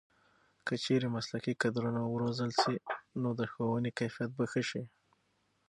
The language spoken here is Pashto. که چېرې مسلکي کدرونه وروزل شي نو د ښوونې کیفیت به ښه شي.